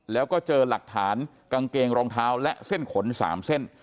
แล้วก็เจอหลักฐานกางเกงรองเท้าและเส้นขน๓เส้น